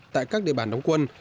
tại các địa bàn đóng quân